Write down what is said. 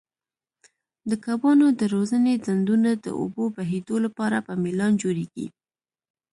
د کبانو د روزنې ډنډونه د اوبو بهېدو لپاره په میلان جوړیږي.